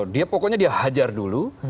dia pokoknya dia hajar dulu